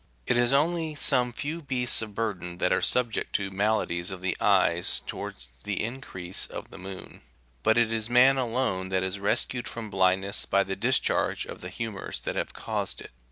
It is only some few beasts of burden that are subject to maladies of the eyes towards the increase of the moon : but it is man alone that is rescued from blindness by the discharge of the humours98 that have caused it.